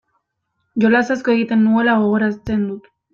Jolas asko egiten nuela gogoratzen dut.